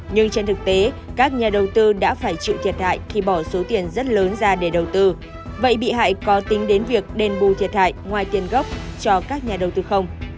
nhưng trên thực tế các nhà đầu tư đã phải chịu thiệt hại thì bỏ số tiền rất lớn ra để đầu tư vậy bị hại có tính đến việc đền bù thiệt hại ngoài tiền gốc cho các nhà đầu tư không